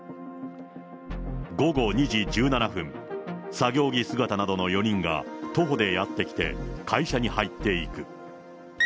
午後２時１７分、作業着姿などの４人が徒歩でやって来て、会社に入っていく。